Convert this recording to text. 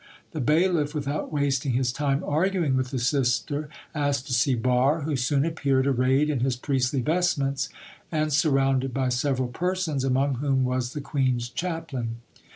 The bailiff, without wasting his time arguing with the sister, asked to see Barre, who soon appeared arrayed in his priestly vestments, and surrounded by several persons, among whom was the queen's chaplain.